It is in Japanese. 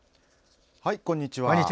こんにちは。